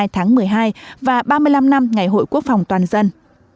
hai mươi tháng một mươi hai và ba mươi năm năm ngày hội quốc phòng toàn dân